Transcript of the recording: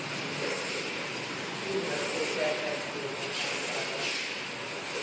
Ürmös Péter festő munkássága.